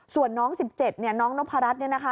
ส่วนน้อง๑๗เนี่ยน้องนพรัชเนี่ยนะคะ